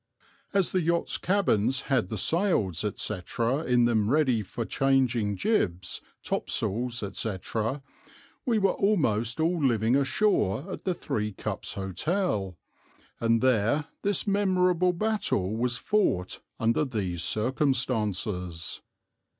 As the yachts' cabins had the sails, etc., in them ready for changing jibs, top sails, etc., we were almost all living ashore at the Three Cups Hotel, and there this memorable battle was fought under these circumstances.